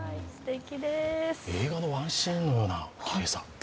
映画のワンシーンのようなきれいさ。